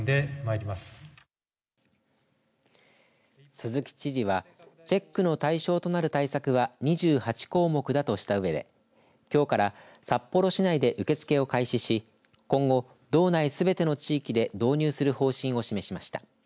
鈴木知事はチェックの対象となる対策は２８項目だとしたうえできょうから札幌市内で受け付けを開始し今後、道内すべての地域で導入する方針を示しました。